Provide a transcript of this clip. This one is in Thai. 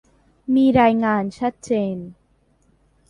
มีรายงานชัดเจน